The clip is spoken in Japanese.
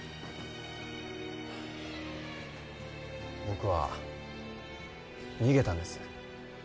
僕は逃げたんです。